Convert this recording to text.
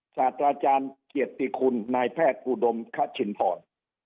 ศาสตราจารย์เกียรติคุณนายแพทย์อุดมคชินพร